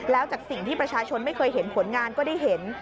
แล้วจากสิ่งที่ประชาชนไม่เคยเห็นผลงานก็ได้เห็น